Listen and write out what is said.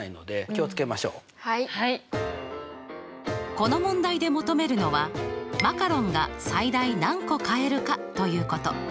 この問題で求めるのはマカロンが最大何個買えるかということ。